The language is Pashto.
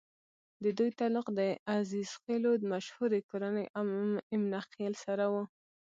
ددوي تعلق د عزيخېلو مشهورې کورنۍ اِمنه خېل سره وو